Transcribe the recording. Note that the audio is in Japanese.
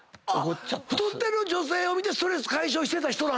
太ってる女性を見てストレス解消してた人なんだ⁉